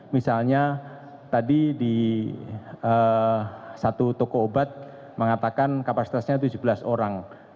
misalnya tadi di satu toko obat mengatakan kapasitasnya tujuh belas orang